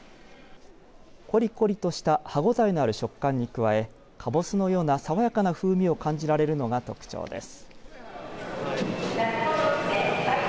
こりこりとした歯ごたえのある食感に加えカボスのような爽やかな風味を感じられるのが特徴です。